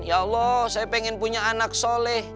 ya allah saya pengen punya anak soleh